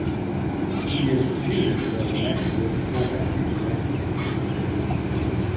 He is reputed to have met with Hoban then.